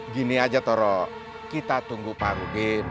gini aja toro kita tunggu pak rudin